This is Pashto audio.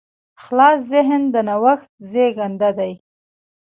خلاص ذهن د نوښت زېږنده دی.